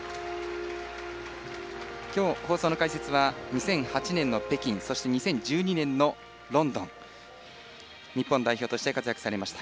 今日、放送の解説は２００８年の北京そして、２０１２年のロンドン日本代表として活躍されました。